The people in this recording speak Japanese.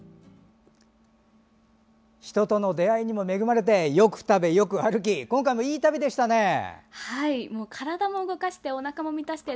人との出会いにも恵まれてよく食べ、よく歩き今回もいい旅でしたね。